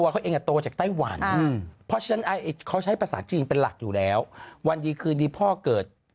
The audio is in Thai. ของวัดพระแก้วนี่แหละวัดประศรี